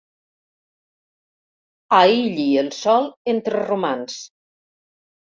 Aïlli el sol entre romans.